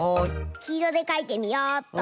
きいろでかいてみよっと。